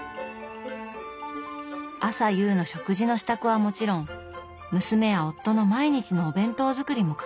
朝夕の食事の支度はもちろん娘や夫の毎日のお弁当作りも欠かさない。